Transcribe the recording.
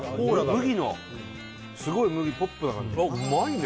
麦のすごい麦ホップな感じうまいね